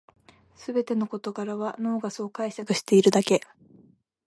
すべての事柄は脳がそう解釈しているだけ